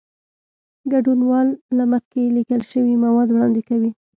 ګډونوال له مخکې لیکل شوي مواد وړاندې کوي.